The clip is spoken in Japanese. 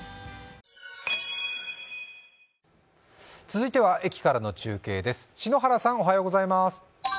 続いては駅からの中継です。